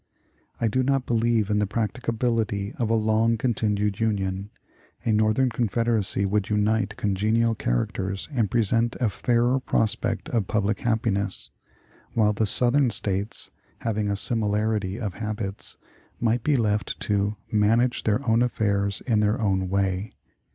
"I do not believe in the practicability of a long continued Union. A Northern Confederacy would unite congenial characters and present a fairer prospect of public happiness; while the Southern States, having a similarity of habits, might be left to 'manage their own affairs in their own way.'